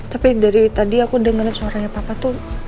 tapi dari tadi aku dengerin suaranya papa tuh